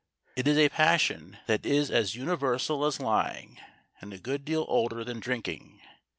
It is a passion that is as universal as lying, and a good deal older than drinking.